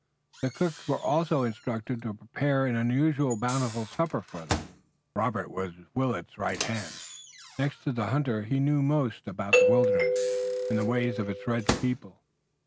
The cooks were also instructed to prepare an unusually bountiful supper for them. Robert was Willet's right hand. Next to the hunter he knew most about the wilderness, and the ways of its red people.